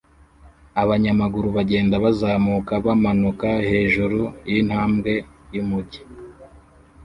Abanyamaguru bagenda bazamuka bamanuka hejuru yintambwe yumujyi